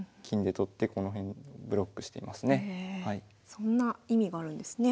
そんな意味があるんですね。